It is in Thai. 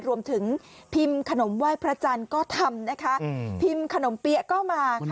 รวมถึงพิมพ์ขนมไหว้พระจันทร์ก็ทำนะคะพิมพ์ขนมเปี๊ยะก็มา